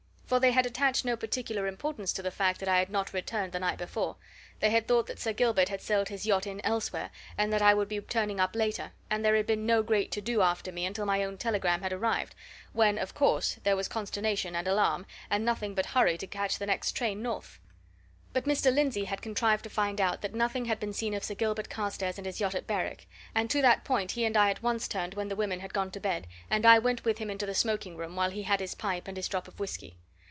For they had attached no particular importance to the fact that I had not returned the night before; they had thought that Sir Gilbert had sailed his yacht in elsewhere, and that I would be turning up later, and there had been no great to do after me until my own telegram had arrived, when, of course, there was consternation and alarm, and nothing but hurry to catch the next train north. But Mr. Lindsey had contrived to find out that nothing had been seen of Sir Gilbert Carstairs and his yacht at Berwick; and to that point he and I at once turned when the women had gone to bed and I went with him into the smoking room while he had his pipe and his drop of whisky.